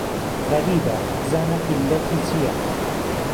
غهريبه بزانه عیللهتی چییە